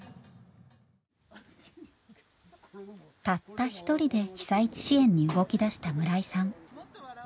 たった一人で被災地支援に動きだした村井さん。